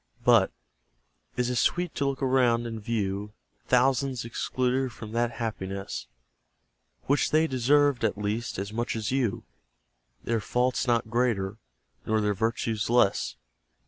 But, is it sweet to look around, and view Thousands excluded from that happiness Which they deserved, at least, as much as you. Their faults not greater, nor their virtues less?